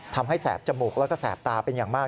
แสบจมูกแล้วก็แสบตาเป็นอย่างมาก